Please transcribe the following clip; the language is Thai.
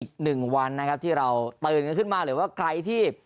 อีกหนึ่งวันนะครับที่เราตื่นกันขึ้นมาหรือว่าใครที่